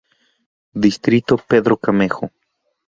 Distrito Pedro Camejo.